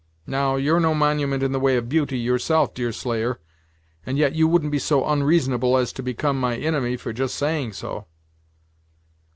Now, you're no monument in the way of beauty, yourself, Deerslayer, and yet you wouldn't be so onreasonable as to become my inimy for just saying so."